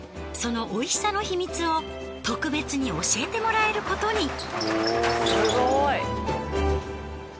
そのおいしさの秘密を特別に教えてもらえることに。